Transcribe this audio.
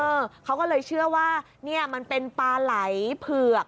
เออเขาก็เลยเชื่อว่าเนี่ยมันเป็นปลาไหลเผือก